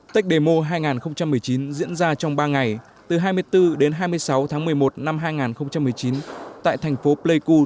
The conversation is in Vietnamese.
tech demo hai nghìn một mươi chín diễn ra trong ba ngày từ hai mươi bốn đến hai mươi sáu tháng một mươi một năm hai nghìn một mươi chín tại thành phố pleiku